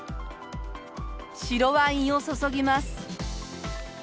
白ワインを注ぎます。